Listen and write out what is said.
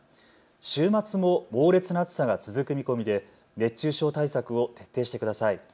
週末も猛烈な暑さが続く見込みで熱中症対策を徹底してください。